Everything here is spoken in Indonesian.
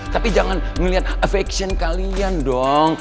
tapi jangan melihat affection kalian dong